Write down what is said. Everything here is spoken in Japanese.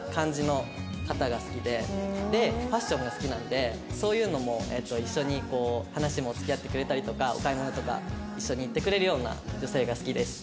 でファッションが好きなんでそういうのも一緒にこう話も付き合ってくれたりとかお買い物とか一緒に行ってくれるような女性が好きです。